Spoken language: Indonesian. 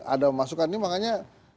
ada masukan ini makanya